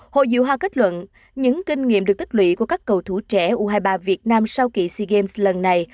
hội diệu hoa kết luận những kinh nghiệm được tích lũy của các cầu thủ trẻ u hai mươi ba việt nam sau kỳ sea games lần này